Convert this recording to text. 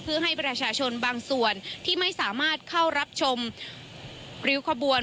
เพื่อให้ประชาชนบางส่วนที่ไม่สามารถเข้ารับชมริ้วขบวน